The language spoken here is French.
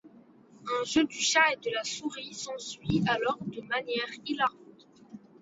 Un jeu du chat et de la souris s'ensuit alors de manière hilarante.